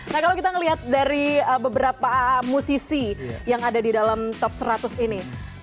nah kalau kita melihat dari beberapa musisi yang ada di dalam top seratus ini